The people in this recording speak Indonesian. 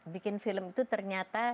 bikin film itu ternyata